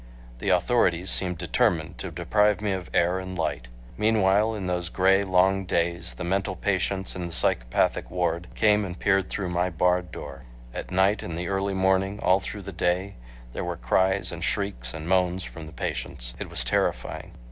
The authorities seemed determined. to deprive me of air and light. Meanwhile in those gray, long days, the mental patients in the psychopathic ward came and peered through my barred door. At night, in the early morning, all through the day there were cries and shrieks and moans from the patients. It was terrifying.